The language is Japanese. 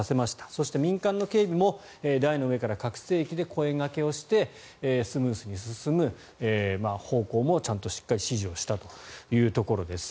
そして、民間の警備も台の上から拡声器で声掛けをしてスムーズに進む方向も指示をしたということです。